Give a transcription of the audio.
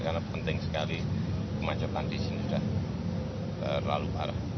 karena penting sekali kemancapan di sini sudah terlalu parah